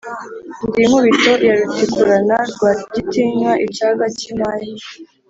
ndi inkubito ya rutikurana, rwagitinywa icyaga cy'inkwaya,